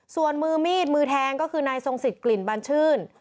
ส่วนมือมีดมือแทงก็คือนายทรงสิทธิกลิ่นบัญชื่น